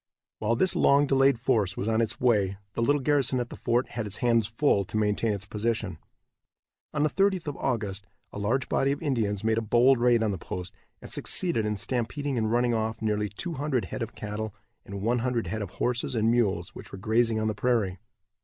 While this long delayed force was on its way the little garrison at the fort had its hands full to maintain its position. On the 30th of August a large body of Indians made a bold raid on the post, and succeeded in stampeding and running off nearly two hundred head of cattle and one hundred head of horses and mules which were grazing on the prairie.